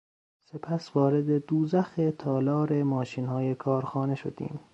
سپس وارد دوزخ تالار ماشینهای کارخانه شدیم.